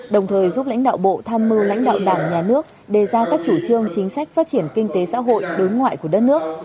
đồng thời giúp lãnh đạo bộ tham mưu lãnh đạo đảng nhà nước đề ra các chủ trương chính sách phát triển kinh tế xã hội đối ngoại của đất nước